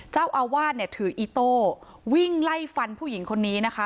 เจ้าอาวาสเนี่ยถืออีโต้วิ่งไล่ฟันผู้หญิงคนนี้นะคะ